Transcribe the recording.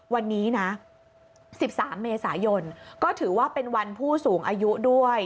วันนี้นะ๑๓เมษายนก็ถือว่าเป็นวันผู้สูงอายุด้วย